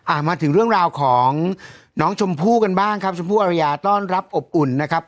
มาถึงเรื่องราวของน้องชมพู่กันบ้างครับชมพู่อรยาต้อนรับอบอุ่นนะครับ